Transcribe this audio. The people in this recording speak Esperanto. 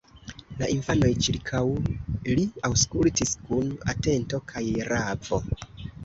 La infanoj ĉirkaŭ li aŭskultis kun atento kaj ravo.